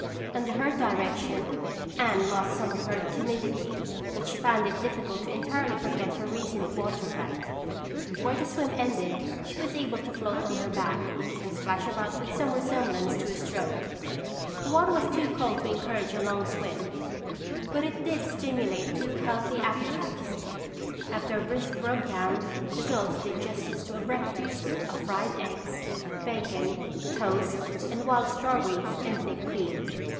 Under her direction, Anne lost some of her timidity but she found it difficult to entirely forget her recent water fright. Before the swim ended she was able to float on her back and splash about with some resemblance to a stroke. The water was too cold to encourage a long swim but it did stimulate two healthy appetites. After a brisk rub down, the girls did justice to a breakfast of fried eggs, bacon, toast and wild strawberries in thick cream.